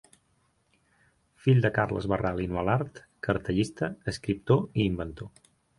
Fill de Carles Barral i Nualart cartellista, escriptor i inventor.